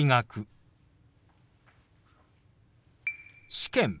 「試験」。